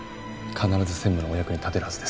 必ず専務のお役に立てるはずです。